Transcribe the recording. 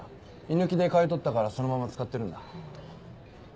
居抜きで買い取ったからそのまま使ってるんだ。